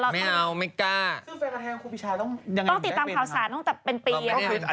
ไม่เอาไม่กล้า